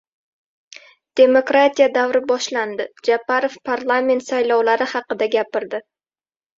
“Demokratiya davri boshlandi”. Japarov parlament saylovlari haqida gapirdi